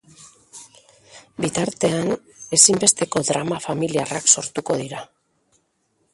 Bitartean, ezinbesteko drama familiarrak sortuko dira.